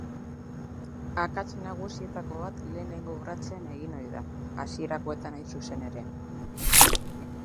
Akats nagusietako bat lehenengo urratsean egin ohi da, hasierakoetan hain zuzen ere.